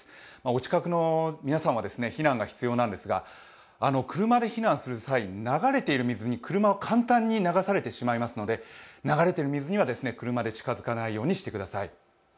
お近くの皆さんは避難が必要なんですが、車で避難する際に流れている水に車が簡単に流されてしまいますので流れている水には車で近づかないようにしてください。